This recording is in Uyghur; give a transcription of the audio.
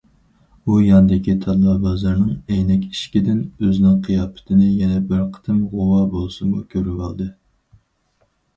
ئۇ ياندىكى تاللا بازىرىنىڭ ئەينەك ئىشىكىدىن ئۆزىنىڭ قىياپىتىنى يەنە بىر قېتىم غۇۋا بولسىمۇ كۆرۈۋالدى.